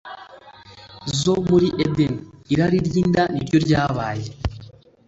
zo muri Edeni, irari ry’inda ni ryo ryabaye